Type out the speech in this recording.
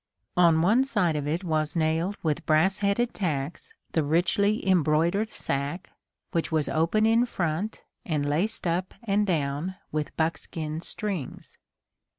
On one side of it was nailed with brass headed tacks the richly embroidered sack, which was open in front and laced up and down with buckskin strings.